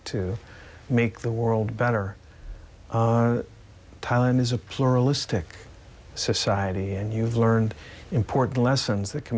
ไทยคือความสมบัติและเราได้เรียนรู้ว่าภาคไทยเป็นประเภทที่เป็นแผนที่สำคัญ